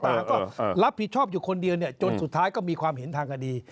ก็รับผิดชอบอยู่คนเดียวจนสุดท้ายก็มีความเห็นทางคดี